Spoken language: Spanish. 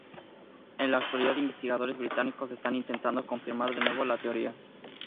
En la actualidad, investigadores británicos están intentando confirmar, de nuevo, la Teoría.